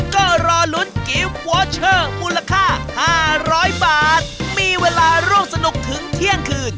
ก็รอลุ้นกิ๊บมูลค่าห้าร้อยบาทมีเวลาร่วมสนุกถึงเที่ยงคืน